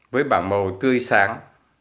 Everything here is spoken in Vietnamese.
với bảng màu tươi sáng